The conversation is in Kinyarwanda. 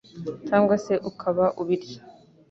cyangwa se ukaba ubirya